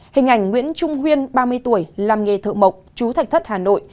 hình ảnh nguyễn trung huyên ba mươi tuổi làm nghề thợ mộc chú thạch thất hà nội